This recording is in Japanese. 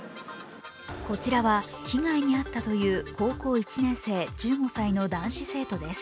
こちらは被害に遭ったという高校１年生、１５歳の男子生徒です。